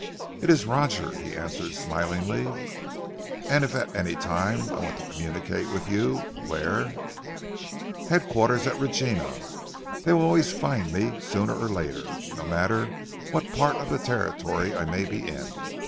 "It is Roger," he answered smilingly. "And if at any time I want to communicate with you, where " "Headquarters at Regina. That will always find me sooner or later, no matter what part of the Territory I may be in."